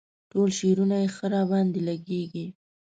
ټول شعرونه یې ښه راباندې لګيږي.